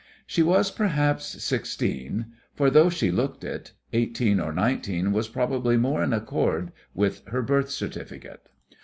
She was, perhaps, sixteen for, though she looked it, eighteen or nineteen was probably more in accord with her birth certificate.